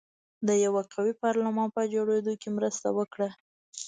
د یوه قوي پارلمان په جوړېدو کې مرسته وکړه.